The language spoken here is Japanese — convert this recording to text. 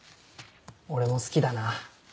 俺も好きだな。